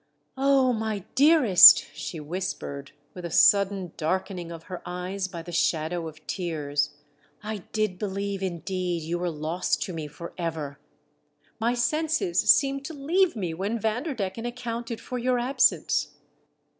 "Oh, my dearest!" she whispered, with a sudden darkening of her eyes by the shadow of tears, " I did believe, indeed, you were lost to me for ever ! My senses seemed to leave me when Vanderdecken accounted for your absence."